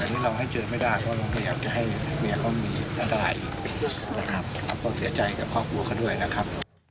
เราต้องเสียใจกับครอบครัวเขาด้วยนะครับ